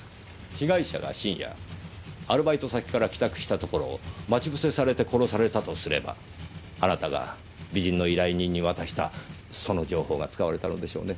被害者が深夜アルバイト先から帰宅したところを待ち伏せされて殺されたとすればあなたが美人の依頼人に渡したその情報が使われたのでしょうね。